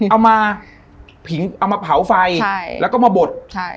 เอามาเผาไฟแล้วก็มาบด